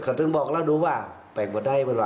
เขาต้องบอกแล้วดูว่าแปลงไม่ได้บ้างว่า